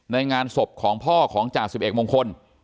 ในงานศพของพ่อของจ่าสิบเอกมงคล